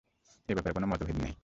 এ ব্যাপারে কোন মতভেদ নেই।